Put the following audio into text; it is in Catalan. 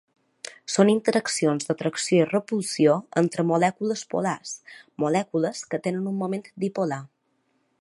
Són interaccions d'atracció i repulsió entre molècules polars, molècules que tenen un moment dipolar.